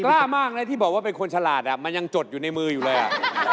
กล้ามากนะที่บอกว่าเป็นคนฉลาดอ่ะมันยังจดอยู่ในมืออยู่เลยอ่ะ